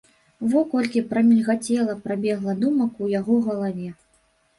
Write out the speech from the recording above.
Во колькі прамільгацела, прабегла думак у яго галаве.